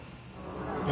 え？